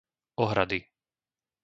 Ohrady